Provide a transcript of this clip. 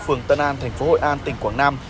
phường tân an thành phố hội an tỉnh quảng nam